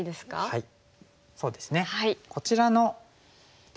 はい。